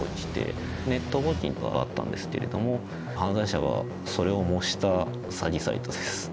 ネット募金が上がったんですけれども犯罪者がそれを模した詐欺サイトです。